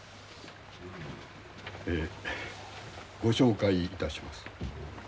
ご紹介いたします。